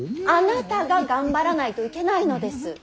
あなたが頑張らないといけないのです。